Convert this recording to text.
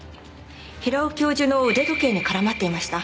平尾教授の腕時計に絡まっていました。